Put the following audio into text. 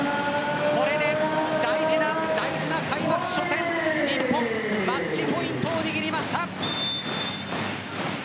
これで大事な大事な開幕初戦日本、マッチポイントを握りました。